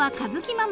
ママ。